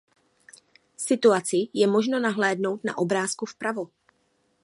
Situaci je možno nahlédnout na obrázku vpravo.